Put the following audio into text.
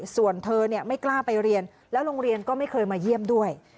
ส่วนเธอไม่กล้าไปเรียนแล้วโรงเรียนก็ไม่เคยมาเยี่ยมด้วย